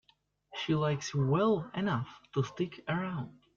She likes you well enough to stick around.